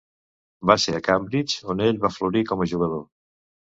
Va ser a Cambridge on ell va florir com a jugador.